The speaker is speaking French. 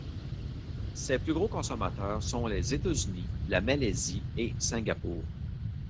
Ses plus gros consommateurs sont les États-Unis, la Malaisie et Singapour.